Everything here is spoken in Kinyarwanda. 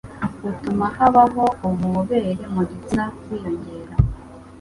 utuma habaho ububobere mu gitsina wiyongera.